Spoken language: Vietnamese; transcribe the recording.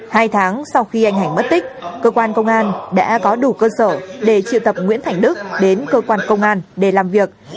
hai tháng sau khi anh hải mất tích cơ quan công an đã có đủ cơ sở để triệu tập nguyễn thành đức đến cơ quan công an để làm việc